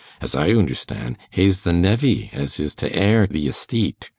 As I oonderstan', hae's the nevey as is' t' heir th' esteate.